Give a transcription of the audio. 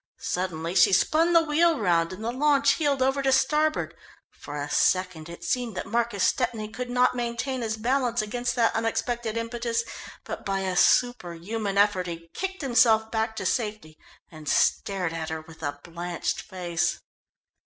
Suddenly she spun the wheel round and the launch heeled over to starboard. For a second it seemed that Marcus Stepney could not maintain his balance against that unexpected impetus, but by a superhuman effort he kicked himself back to safety, and stared at her with a blanched face.